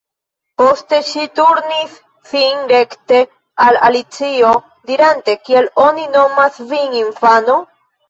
Poste ŝi turnis sin rekte al Alicio, dirante: "Kiel oni nomas vin, infano?"